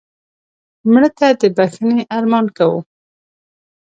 مړه ته د بښنې ارمان کوو